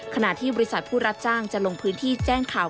ขณะที่บริษัทผู้รับจ้างจะลงพื้นที่แจ้งข่าว